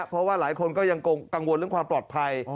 เพราะว่าหลายคนก็ยังกังวลเรื่องความปลอดภัย